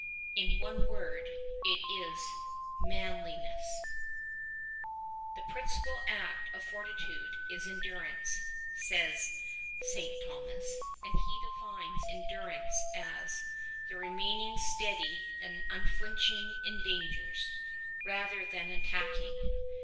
In one word, it is Manliness, ''The principal act of fortitude is endurance,^* says St. Thomas, and he defines endurance as "the remaining steady and unflinching in dangers, rather than attacking.''